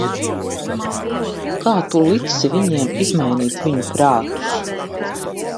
Kā tu liksi viņiem izmainīt viņu prātus?